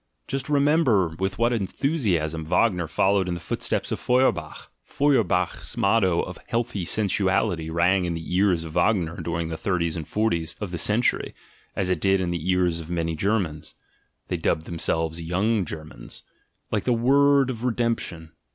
Just remember with what enthusiasm Wagner fol lowed in the footsteps of Feuerbach. Feuerbach's motto of "healthy sensuality" rang in the ears of Wagner dur ing the thirties and forties of the century, as it did in the ears of many Germans (they dubbed themselves "Young Germans"), like the word of redemption.